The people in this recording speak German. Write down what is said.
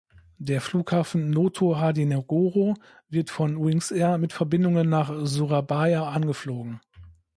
Der Flughafen Notohadinegoro wird von Wings Air mit Verbindungen nach Surabaya angeflogen.